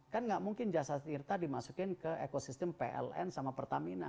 kan nggak mungkin jasa tirta dimasukin ke ekosistem pln sama pertamina